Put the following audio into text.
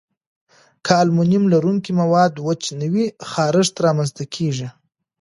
که المونیم لرونکي مواد وچ نه وي، خارښت رامنځته کېږي.